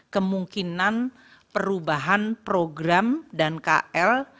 kemungkinan perubahan program dan kl